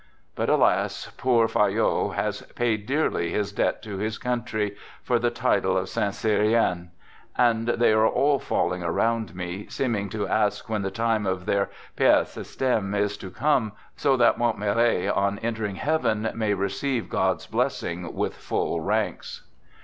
But, alas, poor Fayolle has paid dearly his debt to his country, for the title of Saint Cyrien ! And they are all fall ing around me, seeming to ask when the time of their " Pere Systeme " is to come, so that " Montmirail " 1 on entering Heaven may receive God's blessing with full ranks.